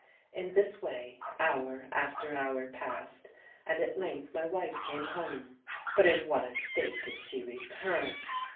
In this way hour after hour passed; and at length my wife came home. But in what a state did she return?